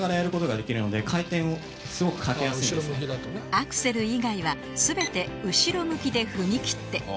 アクセル以外は全て後ろ向きで踏み切って